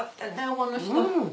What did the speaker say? この人。